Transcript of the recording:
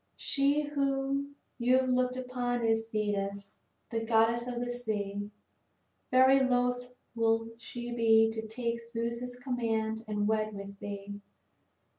She whom you have looked upon is Thetis, the goddess of the sea. Very loath will she be to take Zeus's command and wed with thee.